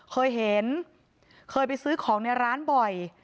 เคยเห็นเคยไปซื้อของในร้านบ่อย